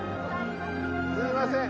すいません。